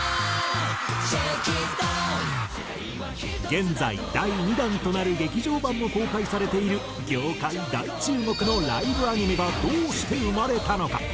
現在第２弾となる劇場版も公開されている業界大注目のライブアニメがどうして生まれたのか？